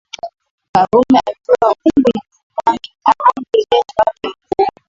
Karume akiwa amiri jeshi wake Mkuu